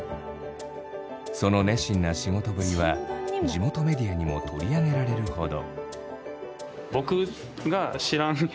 その熱心な仕事ぶりは地元メディアにも取り上げられるほど。